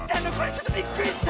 ちょっとびっくりした！